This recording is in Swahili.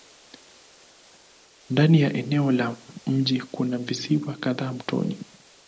Ndani ya eneo la mji kuna visiwa kadhaa mtoni.